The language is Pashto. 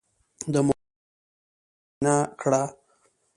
د موټر ټایرونه تل معاینه کړه.